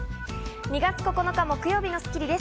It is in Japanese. ２月９日、木曜日の『スッキリ』です。